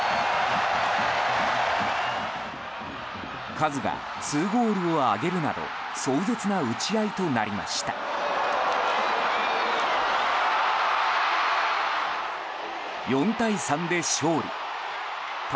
カズが２ゴールを挙げるなど壮絶な打ち合いとなりました。